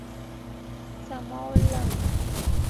څماولنګ